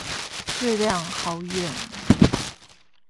月亮好遠